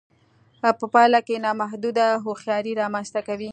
په پایله کې نامحدوده هوښیاري رامنځته کوي